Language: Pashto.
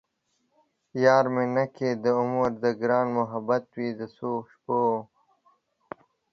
یار مې نه کئ د عمرو ـ د ګران محبت وئ د څو شپو